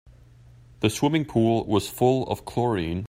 The swimming pool was full of chlorine.